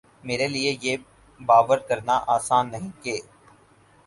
میرے لیے یہ باور کرنا آسان نہیں کہ